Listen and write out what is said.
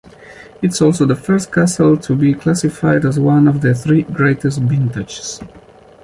It’s also the first castle to be classified as one of the three greatest vintages.